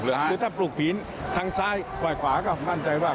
หรือถ้าปลูกผีทางซ้ายกว่ายขวาก็มั่นใจว่า